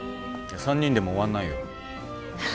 ３人でも終わんないよ。